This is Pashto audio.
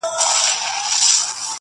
د شپې ویښ په ورځ ویده نه په کارېږي،